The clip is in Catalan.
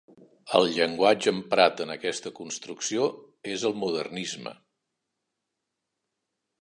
El llenguatge emprat en aquesta construcció és el modernisme.